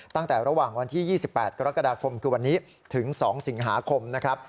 ตั้งแต่ระหว่างวันที่๒๘กรกฎาคมคือวันนี้ถึง๒สิงหาคมนะครับ